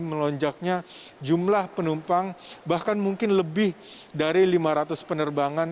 melonjaknya jumlah penumpang bahkan mungkin lebih dari lima ratus penerbangan